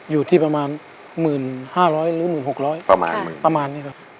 อยู่ที่ประมาณหมื่นห้าร้อยหรือหมื่นหกร้อยประมาณประมาณนี้ครับ